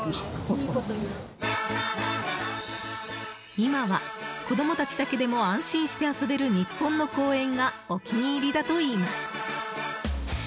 今は子供たちだけでも安心して遊べる日本の公園がお気に入りだといいます。